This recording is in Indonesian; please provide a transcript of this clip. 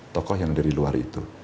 tokoh yang dari luar itu